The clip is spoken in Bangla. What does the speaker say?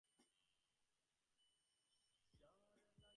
হুম, জল সহ্য হয়নি।